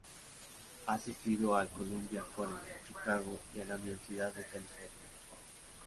Ha asistido al Columbia College Chicago y a la Universidad de California.